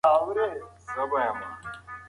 جهاد د ایمان د پخوالي یو لوی ثبوت دی.